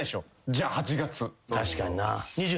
じゃあ８月。